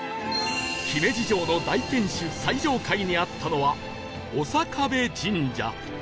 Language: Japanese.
姫路城の大天守最上階にあったのは長壁神社